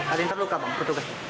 ada yang terluka bang petugas